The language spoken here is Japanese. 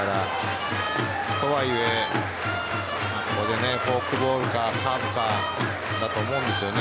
とはいえここでフォークボールかカーブかだと思うんですよね。